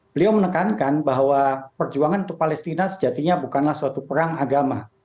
beliau menekankan bahwa perjuangan untuk palestina sejatinya bukanlah suatu perang agama